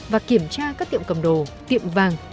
và kiểm tra các tiệm cầm đồ tiệm vàng